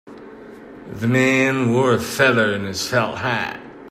The man wore a feather in his felt hat.